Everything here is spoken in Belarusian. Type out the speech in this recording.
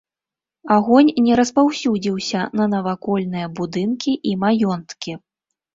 Агонь не распаўсюдзіўся на навакольныя будынкі і маёнткі.